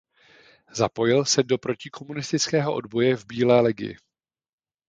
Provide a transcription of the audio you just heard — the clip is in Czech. Zapojil se do protikomunistického odboje v Bílé legii.